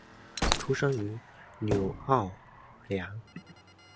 出生于纽奥良。